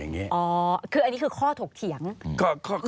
อันนี้คือข้อถกเถียง